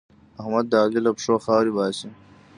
احمد د علي له پښو خاورې باسي.